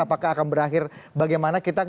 apakah akan berakhir bagaimana kita